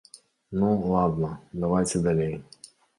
Ну, ладна, давайце далей.